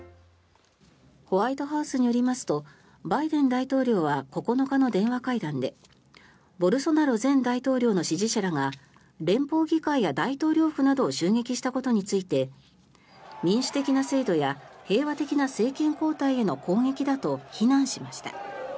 ホワイトハウスによりますとバイデン大統領は９日の電話会談でボルソナロ前大統領の支持者らが連邦議会や大統領府などを襲撃したことについて民主的な制度や平和的な政権交代への攻撃だと非難しました。